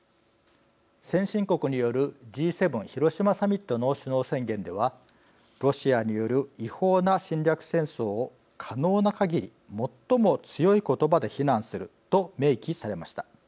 先進国によるＧ７広島サミットの首脳宣言ではロシアによる違法な侵略戦争を可能なかぎり最も強い言葉で非難すると明記されました。